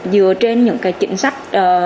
dựa trên những cái chính sách